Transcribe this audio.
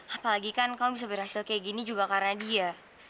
apalagi kan kamu bisa berhasil kayak gini juga karena dia